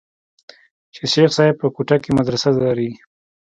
چې شيخ صاحب په کوټه کښې مدرسه لري.